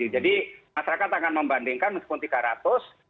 jadi masyarakat akan membandingkan rp tiga ratus